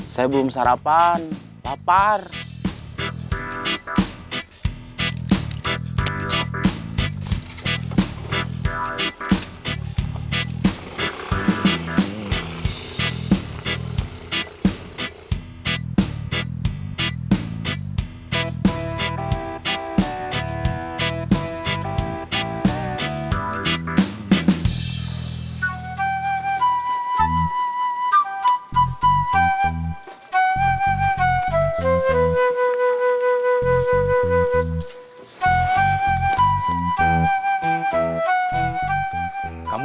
saya belum sarapan